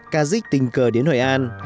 cá dịch tình cờ đến hội an